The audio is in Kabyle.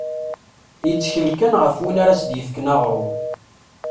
Yettkel kan ɣef win ara as-d-yefken aɣrum.